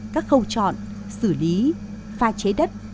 các khâu chọn xử lý pha chế đất